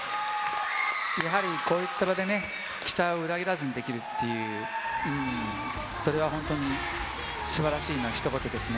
やはりこういった場でね、期待を裏切らずにできるっていう、それは本当にすばらしいのひと言ですね。